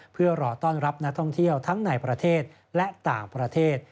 เพื่อรอต้อนรับนักท่องเที่ยวทั้งในประเทศและต่างประเทศ